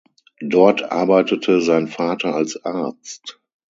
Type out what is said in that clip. Dort arbeitete sein Vater als Arzt.